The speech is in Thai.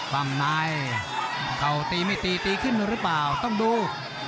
ปั้มในเข่าตีไม่ตีตีขึ้นหรือเปล่าต้องดู